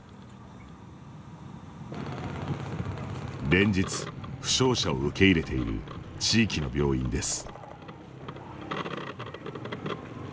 連日、負傷者を受け入れている地域の病院です。